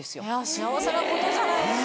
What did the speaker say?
幸せなことじゃないですか。